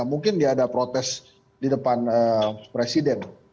mungkin dia ada protes di depan presiden